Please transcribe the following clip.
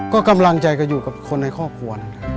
ก็กำลังใจกับอยู่กับคนในครอบครัว